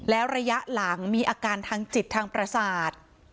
แล้วระยะหลังมีอาการทางจิตทางประสาท